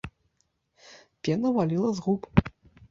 Пена валіла з губ.